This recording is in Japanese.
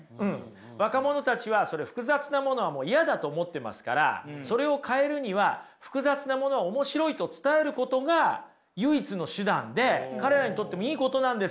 若者たちは複雑なものはもう嫌だと思ってますからそれを変えるには複雑なものは面白いと伝えることが唯一の手段で彼らにとってもいいことなんですよ。